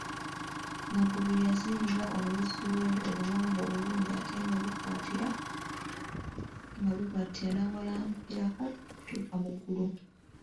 Nabbubi yazinga oluwuzi lwe oluwanvu obulungi ate nga lukwatira n'awalampirako okutuuka mu ggulu.